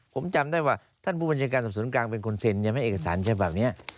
ผมจำได้ว่าท่านผู้บัญชาการสถานการณ์เป็นคนเซ็นเอกสารแบบนี้